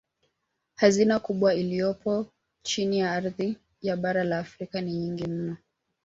Hazina kubwa iliyopo chini ya ardhi ya bara la Afrika ni nyingi mno